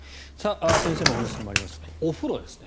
先生のお話にもありましたお風呂ですね